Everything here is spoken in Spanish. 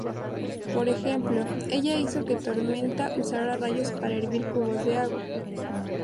Por ejemplo, ella hizo que Tormenta usara rayos para hervir cubos de agua.